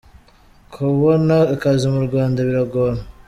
Kubona akazi mu Rwanda biragora.